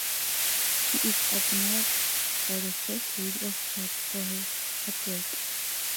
She is admired by the first lady of Chad for her hardwork.